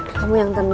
kamu yang tenang